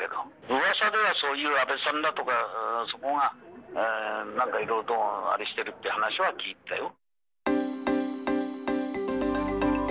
うわさではそういう安倍さんだとか、そこが、なんかいろいろとあれしてるって話は聞いてたよ。